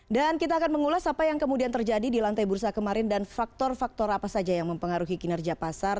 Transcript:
dan kita akan mengulas apa yang kemudian terjadi di lantai bursa kemarin dan faktor faktor apa saja yang mempengaruhi kinerja pasar